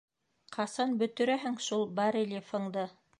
Ҡасан бөтөрәһең шул барельефыңды?